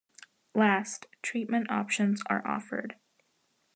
Last, treatment options are offered.